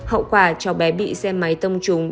hậu quả trò bé bị xe máy tông trùng